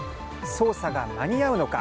捜査が間に合うのか。